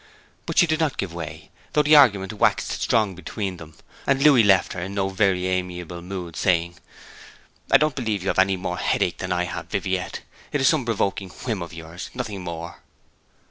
But she did not give way, though the argument waxed strong between them; and Louis left her in no very amiable mood, saying, 'I don't believe you have any more headache than I have, Viviette. It is some provoking whim of yours nothing more.'